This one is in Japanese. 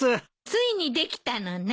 ついにできたのね。